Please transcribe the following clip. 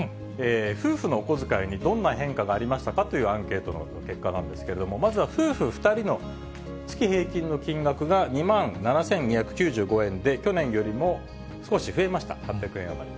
夫婦のお小遣いにどんな変化がありましたかというアンケートの結果なんですけれども、まずは夫婦２人の月平均の金額が２万７２９５円で、去年よりも少し増えました、８００円余り。